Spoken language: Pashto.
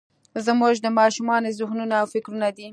زموږ د ماشومانو ذهنونه او فکرونه دي.